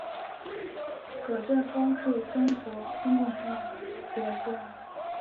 葛振峰是中共培养的一位职业军人。